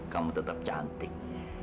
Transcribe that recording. kamu tetap cantik